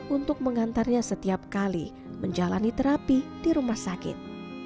untuk mengantarnya setiap kali menjalani terapi di rumah sakit